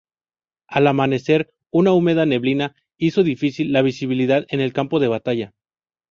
Al amanecer, una húmeda neblina hizo difícil la visibilidad en el campo de batalla.